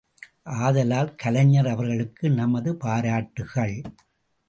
ஆதலால், கலைஞர் அவர்களுக்கு நமது பாராட்டுக்கள்!